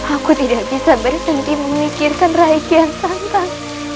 aku tidak bisa berhenti memikirkan rai kian santam